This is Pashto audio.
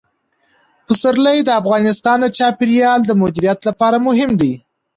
پسرلی د افغانستان د چاپیریال د مدیریت لپاره مهم دي.